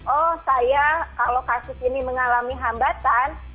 oh saya kalau kasus ini mengalami hambatan